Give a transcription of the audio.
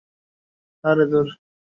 By মানুষের জীবন নেয়া।